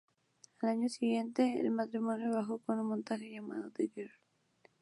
Al año siguiente el matrimonio viajó con un montaje llamado "The Girl".